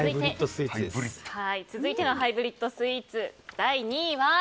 続いてのハイブリッドスイーツ第２位は。